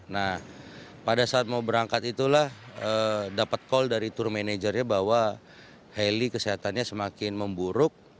nah pada saat mau berangkat itulah dapat call dari tour managernya bahwa heli kesehatannya semakin memburuk